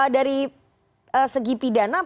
dari segi pidana